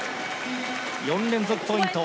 ４連続ポイント。